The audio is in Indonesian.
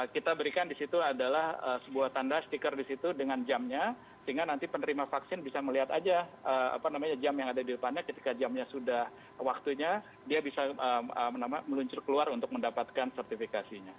kita berikan di situ adalah sebuah tanda stiker di situ dengan jamnya sehingga nanti penerima vaksin bisa melihat aja jam yang ada di depannya ketika jamnya sudah waktunya dia bisa meluncur keluar untuk mendapatkan sertifikasinya